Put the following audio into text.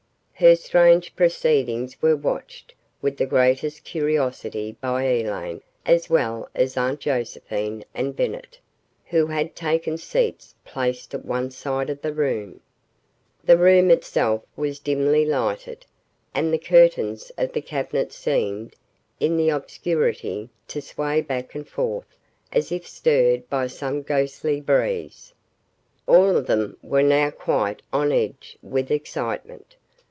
Her strange proceedings were watched with the greatest curiosity by Elaine as well as Aunt Josephine and Bennett, who had taken seats placed at one side of the room. The room itself was dimly lighted, and the curtains of the cabinet seemed, in the obscurity, to sway back and forth as if stirred by some ghostly breeze. All of them were now quite on edge with excitement.